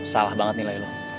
salah banget nilai lo